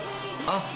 あっ。